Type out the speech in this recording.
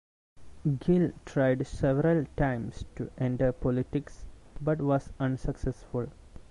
Gill tried several times to enter politics but was unsuccessful.